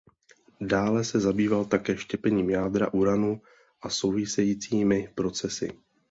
Dále se zabýval také štěpením jádra uranu a souvisejícími procesy.